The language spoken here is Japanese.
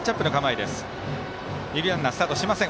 二塁ランナースタートしません。